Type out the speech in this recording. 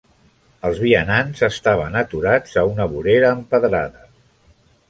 Els vianants estaven aturats a una vorera empedrada.